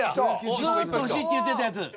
ずっと欲しいって言ってたやつ。